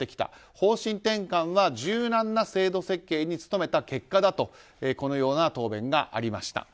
方針転換は柔軟な制度設計に努めた結果だとこのような答弁がありました。